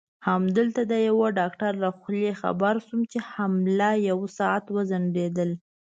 همدلته د یوه ډاکټر له خولې خبر شوم چې حمله یو ساعت وځنډېدل.